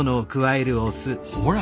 ほら！